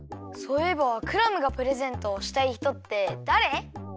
そういえばクラムがプレゼントをしたいひとってだれ？